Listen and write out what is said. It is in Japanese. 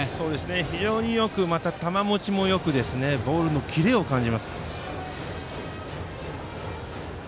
非常によくまた球もちもよくボールのキレを感じます。